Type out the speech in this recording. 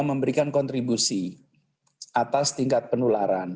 memberikan kontribusi atas tingkat penularan